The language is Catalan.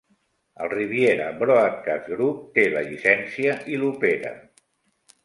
El Riviera Broadcast Group té la llicència i l'opera.